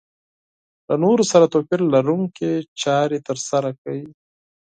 له نورو سره توپير لرونکې چارې ترسره کوي.